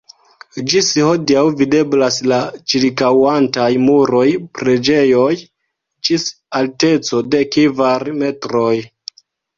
Ĝis hodiaŭ videblas la ĉirkaŭantaj muroj preĝejoj (ĝis alteco de kvar metroj).